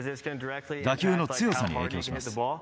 打球の強さに影響します。